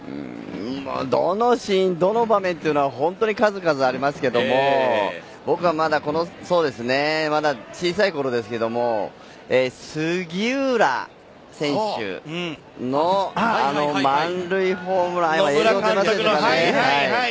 どのシーンどの場面というのは本当に数々ありますが僕がまだ小さいころですが杉浦選手の満塁ホームラン。